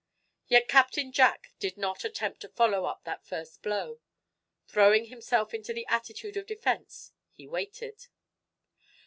Yet Captain Jack did not attempt to follow up that first blow. Throwing himself into the attitude of defense, he waited.